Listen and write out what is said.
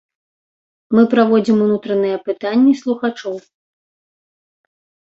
Мы праводзім унутраныя апытанні слухачоў.